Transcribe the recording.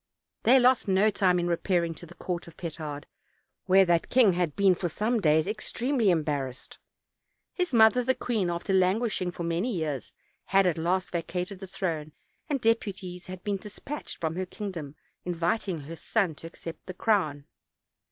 They lost no time in repairing to the court of Petard, where that king had been for some days extremely em barrassed. His mother the queen, after languishing for many years, had at last vacated the throne, and deputies had been dispatched from her kingdom inviting her son to accept the crown.